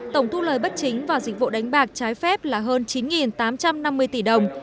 tổng thu lời bất chính và dịch vụ đánh bạc trái phép là hơn chín tám trăm năm mươi tỷ đồng